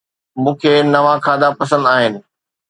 مون کي نوان کاڌا پسند آهن